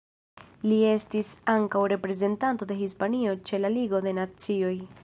Li estis ankaŭ reprezentanto de Hispanio ĉe la Ligo de Nacioj.